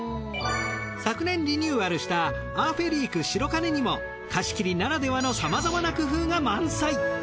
昨年リニューアルしたアーフェリーク白金にも貸し切りならではのさまざまな工夫が満載。